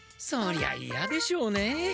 そりゃいやでしょうねえ。